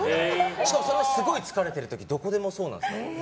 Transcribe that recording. しかも、すごい疲れてる時もどこでもそうなんです。